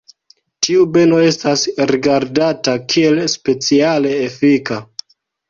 Tiu beno estas rigardata kiel speciale efika.